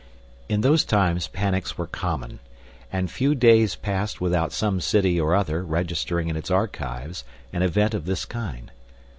In those times panics were common, and few days passed without some city or other registering in its archives an event of this kind.